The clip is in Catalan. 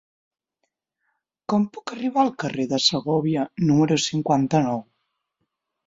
Com puc arribar al carrer de Segòvia número cinquanta-nou?